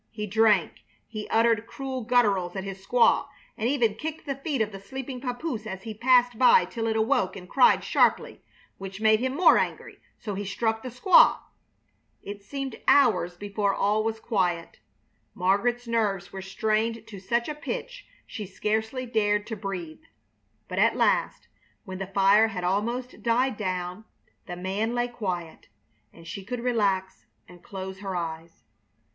He drank, he uttered cruel gutturals at his squaw, and even kicked the feet of the sleeping papoose as he passed by till it awoke and cried sharply, which made him more angry, so he struck the squaw. It seemed hours before all was quiet. Margaret's nerves were strained to such a pitch she scarcely dared to breathe, but at last, when the fire had almost died down, the man lay quiet, and she could relax and close her eyes.